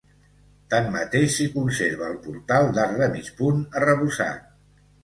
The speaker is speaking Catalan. Tanmateix, s'hi conserva el portal, d'arc de mig punt arrebossat.